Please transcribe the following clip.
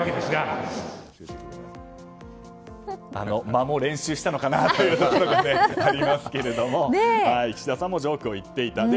間も練習したのかなというのが分かりますけども岸田さんもジョークを言っていました。